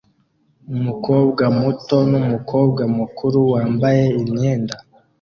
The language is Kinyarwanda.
Umukobwa muto numukobwa mukuru wambaye imyenda